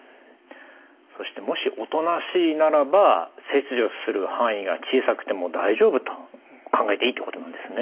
そしてもしおとなしいならば切除する範囲が小さくても大丈夫と考えていいってことなんですね。